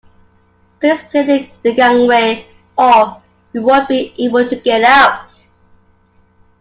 Please clear the gangway or we won't be able to get out